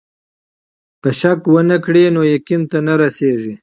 که شک ونه کړې نو يقين ته نه رسېږې.